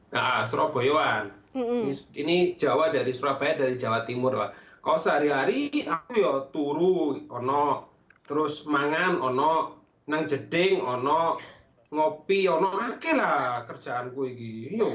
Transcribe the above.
nah surabaya wan ini jawa dari surabaya dari jawa timur wak kalau sehari hari aku ya turun terus makan nang jeding ngopi aku lagi lah kerjaanku ini